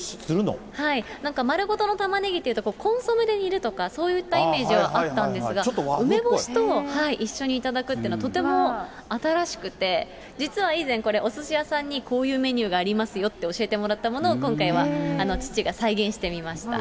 なんか丸ごとのタマネギっていうとコンソメで煮るとか、そういったイメージがあったんですが、梅干しと一緒に頂くというのは、とても新しくて、実は以前、これ、おすし屋さんにこういうメニューがありますよって教えてもらったものを今回は父が再現してみました。